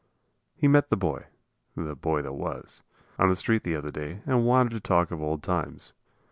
He met the boy the boy that was on the street the other day and wanted to talk of old times.